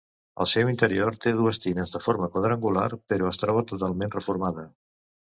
Al seu interior té dues tines de forma quadrangular, però es troba totalment reformada.